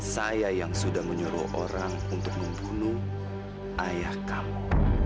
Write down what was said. saya yang sudah menyuruh orang untuk membunuh ayah kamu